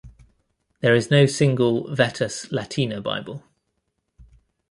There is no single "Vetus Latina" Bible.